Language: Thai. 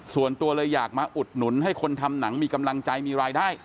ส่วนตัวเลยอยากมาอุดหนุนให้คนทำหนังมีกำลังใจมีรายได้